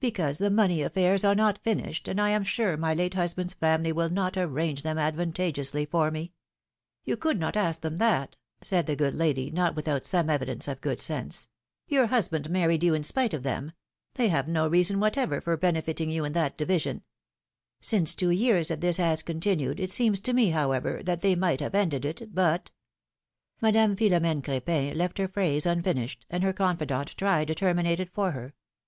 Because the money affairs are not finished, and I am sure my late husband's family will not arrange them advantageously for me." ^^You could not ask them that," said the good lady, not without some evidence of good sense. Your husband married you in spite of them ; they have no reason what ever for benefiting you in that division." (19) 20 philomI:ne's marriages. Since two years, that this has continued, it seems to me, however, that they might have ended it ; but — Madame Philomene Cr^pin left her phrase unfinished, and her confidante tried to terminate it for her.